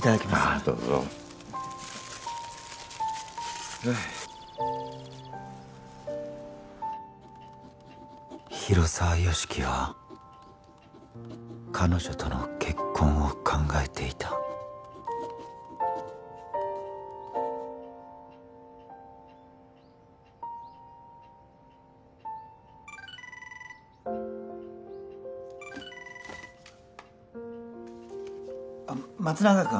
どうぞ広沢由樹は彼女との結婚を考えていた松永君？